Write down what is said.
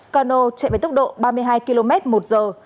cano chạy với tốc độ ba mươi hai km một giờ